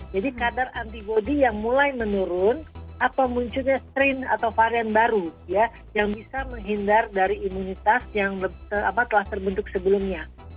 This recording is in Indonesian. jadi kadar antibody yang mulai menurun atau munculnya strain atau varian baru yang bisa menghindar dari imunitas yang telah terbentuk sebelumnya